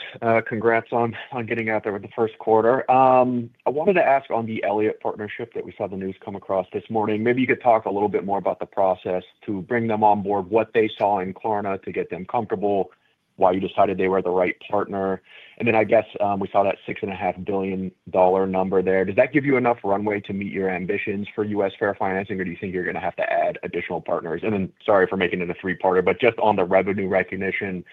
Congrats on getting out there with the first quarter. I wanted to ask on the Elliott partnership that we saw the news come across this morning. Maybe you could talk a little bit more about the process to bring them on board, what they saw in Klarna to get them comfortable, why you decided they were the right partner. I guess we saw that $6.5 billion number there. Does that give you enough runway to meet your ambitions for US fair financing, or do you think you're going to have to add additional partners? Sorry for making it a three-parter, but just on the revenue recognition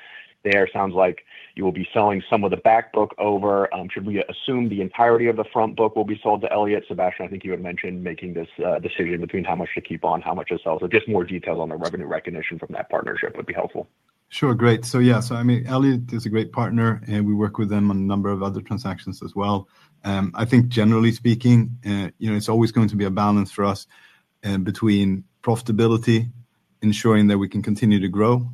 there, it sounds like you will be selling some of the backbook over. Should we assume the entirety of the frontbook will be sold to Elliott? Sebastian, I think you had mentioned making this decision between how much to keep on, how much to sell. Just more details on the revenue recognition from that partnership would be helpful. Sure. Great. Yeah, I mean, Elliott is a great partner, and we work with them on a number of other transactions as well. I think generally speaking, it's always going to be a balance for us between profitability, ensuring that we can continue to grow,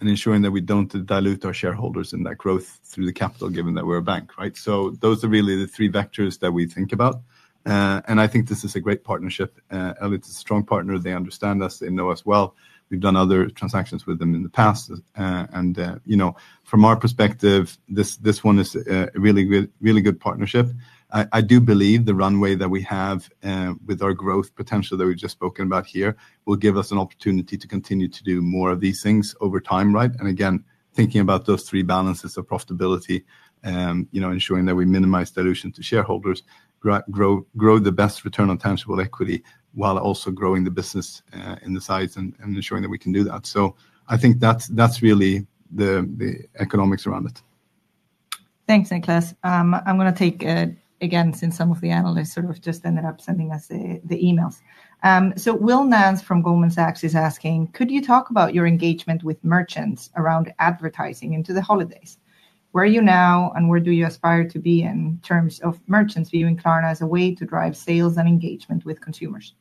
and ensuring that we don't dilute our shareholders in that growth through the capital, given that we're a bank, right? Those are really the three vectors that we think about. I think this is a great partnership. Elliott is a strong partner. They understand us. They know us well. We've done other transactions with them in the past. From our perspective, this one is a really good partnership. I do believe the runway that we have with our growth potential that we've just spoken about here will give us an opportunity to continue to do more of these things over time, right? Again, thinking about those three balances of profitability, ensuring that we minimize dilution to shareholders, grow the best return on tangible equity while also growing the business in the size and ensuring that we can do that. I think that is really the economics around it. Thanks, Niclas. I am going to take again, since some of the analysts just ended up sending us the emails. Will Nance from Goldman Sachs is asking, "Could you talk about your engagement with merchants around advertising into the holidays? Where are you now, and where do you aspire to be in terms of merchants viewing Klarna as a way to drive sales and engagement with consumers?"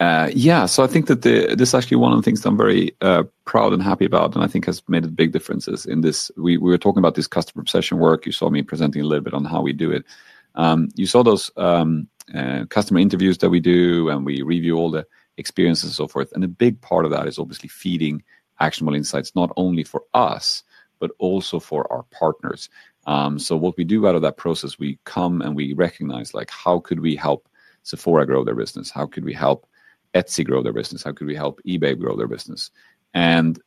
Yeah. I think that this is actually one of the things that I am very proud and happy about, and I think has made a big difference in this. We were talking about this customer obsession work. You saw me presenting a little bit on how we do it. You saw those customer interviews that we do, and we review all the experiences and so forth. A big part of that is obviously feeding actionable insights, not only for us, but also for our partners. What we do out of that process, we come and we recognize how could we help Sephora grow their business? How could we help Etsy grow their business? How could we help eBay grow their business?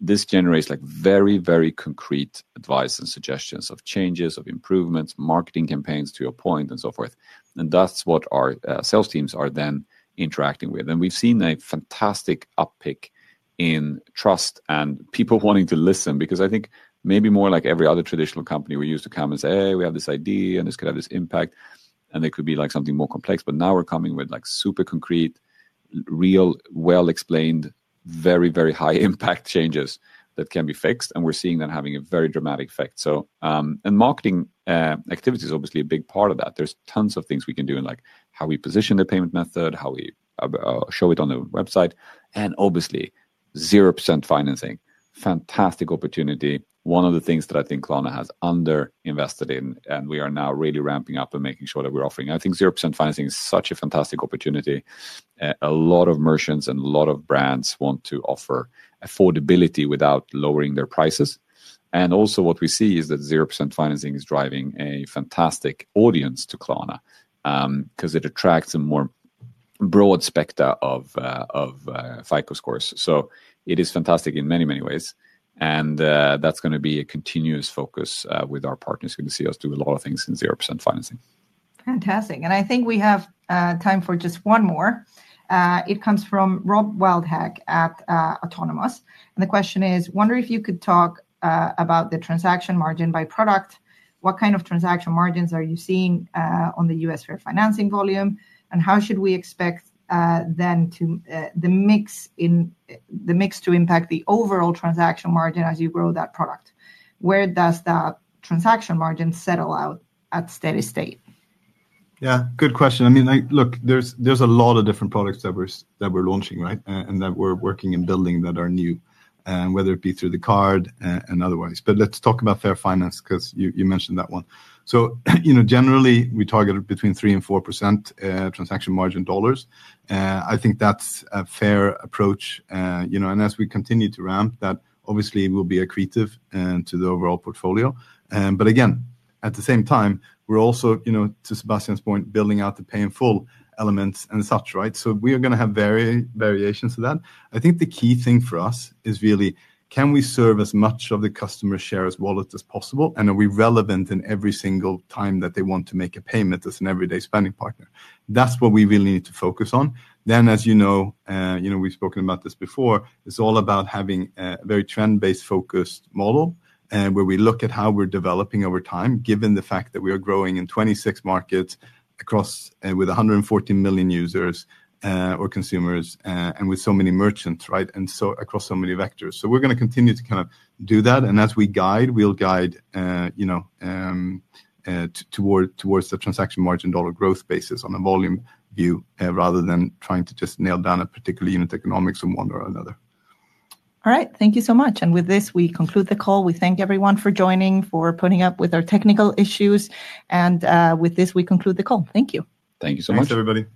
This generates very, very concrete advice and suggestions of changes, of improvements, marketing campaigns, to your point, and so forth. That is what our sales teams are then interacting with. We have seen a fantastic uptick in trust and people wanting to listen because I think maybe more like every other traditional company, we used to come and say, "Hey, we have this idea, and this could have this impact." It could be something more complex. Now we are coming with super concrete, real, well-explained, very, very high-impact changes that can be fixed. We are seeing them having a very dramatic effect. Marketing activity is obviously a big part of that. There are tons of things we can do in how we position the payment method, how we show it on the website. Obviously, 0% financing, fantastic opportunity. One of the things that I think Klarna has underinvested in, and we are now really ramping up and making sure that we are offering. I think 0% financing is such a fantastic opportunity. A lot of merchants and a lot of brands want to offer affordability without lowering their prices. Also what we see is that 0% financing is driving a fantastic audience to Klarna because it attracts a more broad specter of FICO scores. It is fantastic in many, many ways. That is going to be a continuous focus with our partners. You are going to see us do a lot of things in 0% financing. Fantastic. I think we have time for just one more. It comes from Rob Wildhack at Autonomous. The question is, "Wondering if you could talk about the transaction margin by product. What kind of transaction margins are you seeing on the US fair financing volume? How should we expect then the mix to impact the overall transaction margin as you grow that product? Where does that transaction margin settle out at steady state?' Yeah. Good question. I mean, look, there's a lot of different products that we're launching, right, and that we're working and building that are new, whether it be through the card and otherwise. But let's talk about fair finance because you mentioned that one. So generally, we target between 3% and 4% transaction margin dollars. I think that's a fair approach. As we continue to ramp, that obviously will be accretive to the overall portfolio. Again, at the same time, we're also, to Sebastian's point, building out the pay in full elements and such, right? We are going to have variations of that. I think the key thing for us is really, can we serve as much of the customer's share as wallet as possible? Are we relevant in every single time that they want to make a payment as an everyday spending partner? That is what we really need to focus on. As you know, we have spoken about this before, it is all about having a very trend-based focused model where we look at how we are developing over time, given the fact that we are growing in 26 markets with 140 million users or consumers and with so many merchants, right, and across so many vectors. We are going to continue to kind of do that. As we guide, we will guide towards the transaction margin dollar growth basis on a volume view rather than trying to just nail down a particular unit economics from one or another. All right. Thank you so much. With this, we conclude the call. We thank everyone for joining, for putting up with our technical issues. With this, we conclude the call. Thank you. Thank you so much. Thank you, everybody.